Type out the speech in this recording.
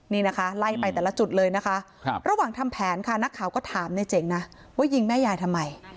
นี่นะคะไล่ไปแต่ละจุดเลยนะคะระหว่างทำแผนค่ะนักข่าวก็ถามในเจ๋งนะว่ายิงแม่ยายทำไม